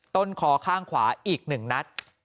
ต้นคอข้างขวาอีก๑นัด